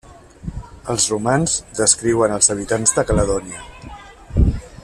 Els romans descriuen els habitants de Caledònia.